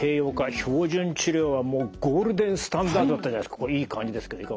標準治療はもうゴールデンスタンダードだったじゃないですか。